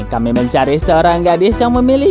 kami mencari seorang gadis yang memiliki sepatu ini